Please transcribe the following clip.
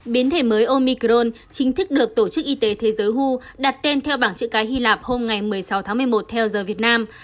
biến thể mới omicron chính thức được tổ chức y tế thế giới who đặt tên theo bảng chữ cái hy lạp hôm một mươi sáu một mươi một theo giờ việt nam